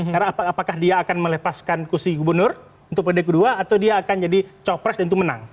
karena apakah dia akan melepaskan kursi gubernur untuk pendek kedua atau dia akan jadi capres dan itu menang